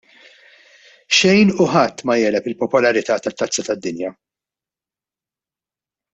Xejn u ħadd ma jegħleb il-popolarità tat-Tazza tad-Dinja.